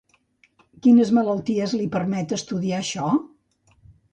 Quines malalties li permet estudiar això?